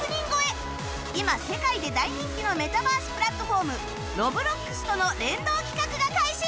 今世界で大人気のメタバースプラットフォーム Ｒｏｂｌｏｘ との連動企画が開始！